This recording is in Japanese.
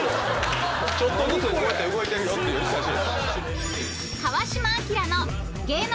ちょっとずつこうやって動いてるよっていう写真。